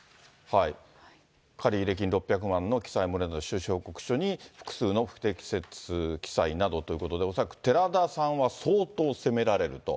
借り入れ金６００万の記載漏れなど収支報告書に、複数の不適切記載などということで、恐らく寺田さんは、相当攻められると。